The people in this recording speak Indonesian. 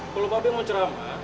kalau mbak b mau cerah